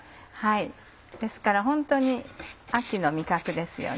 ですからホントに秋の味覚ですよね。